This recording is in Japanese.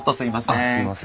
あっすいません。